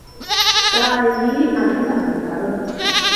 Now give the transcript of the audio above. Taà yì à nɨ̂ ŋ̀gàŋkabə̂.